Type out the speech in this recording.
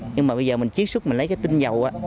nhưng mà bây giờ mình chiếc xúc mình lấy cái tinh dầu á